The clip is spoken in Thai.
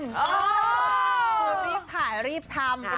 คือรีบถ่ายรีบทำ